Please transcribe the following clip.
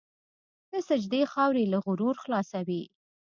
د سجدې خاورې له غرور خلاصوي.